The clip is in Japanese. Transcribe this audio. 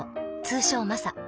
通称マサ。